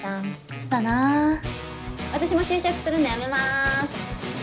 クズだなぁ私も就職するのやめます